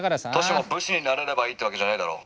「歳も武士になれればいいってわけじゃねえだろ？」。